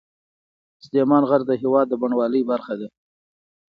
سلیمان غر د هېواد د بڼوالۍ برخه ده.